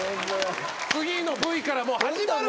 次のＶからもう始まるから。